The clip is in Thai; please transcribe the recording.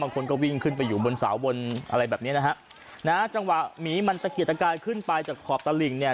คนก็วิ่งขึ้นไปอยู่บนเสาบนอะไรแบบเนี้ยนะฮะจังหวะหมีมันตะเกียดตะกายขึ้นไปจากขอบตลิ่งเนี่ย